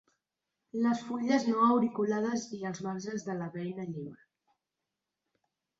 Les fulles no auriculades i els marges de la beina lliure.